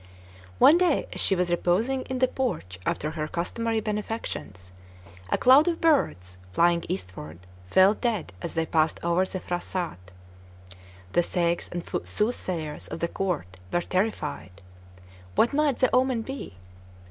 One day, as she was reposing in the porch after her customary benefactions, a cloud of birds, flying eastward, fell dead as they passed over the phrasat. The sages and soothsayers of the court were terrified. What might the omen be?